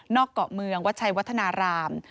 เกาะเมืองวัดชัยวัฒนาราม